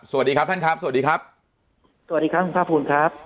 สวัสดีครับท่านครับสวัสดีครับสวัสดีครับคุณภาคภูมิครับ